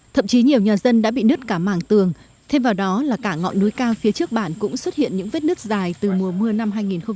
thậm chí nhiều nhà dân đã bị nứt cả mảng tường thêm vào đó là cả ngọn núi cao phía trước bản cũng xuất hiện những vết nứt dài từ mùa mưa năm hai nghìn một mươi tám